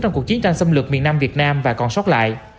trong cuộc chiến tranh xâm lược miền nam việt nam và còn sót lại